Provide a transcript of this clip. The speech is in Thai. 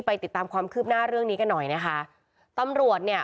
ติดตามความคืบหน้าเรื่องนี้กันหน่อยนะคะตำรวจเนี่ย